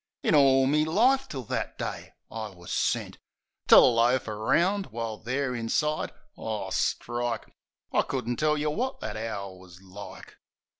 In all me life, till that day I was sent To loaf around, while there inside — Aw, strike! I couldn't tell yeh wot that hour was like!